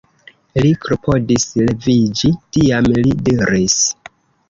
Li klopodis leviĝi, tiam li diris: